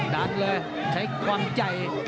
ดันเลยใช้ความใหญ่